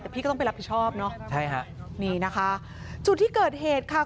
แต่พี่ก็ต้องไปรับผิดชอบเนอะใช่ฮะนี่นะคะจุดที่เกิดเหตุค่ะ